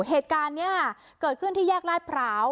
เหตุการณ์นี้เกิดขึ้นที่แยกลาดพร้าว